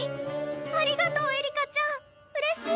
ありがとうえりかちゃんうれしい。